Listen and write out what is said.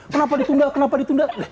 kenapa ditunda kenapa ditunda